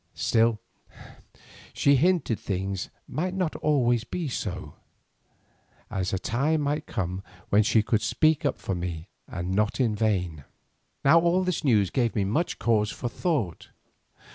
Still, she hinted, things might not always be so, as a time might come when she could speak up for me and not in vain. Now all this news gave me much cause for thought.